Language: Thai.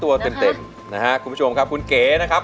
ตัวเต็มนะฮะคุณผู้ชมครับคุณเก๋นะครับ